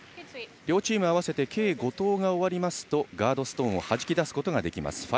両チーム合わせて計５投が終わりますとガードストーンをはじき出すことができます